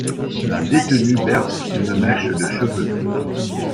La détenue berce une mèche de cheveux.